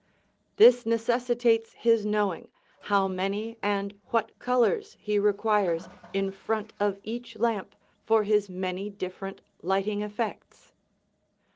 This necessitates his knowing how many and what colors he requires in front of each lamp for his many different lighting effects.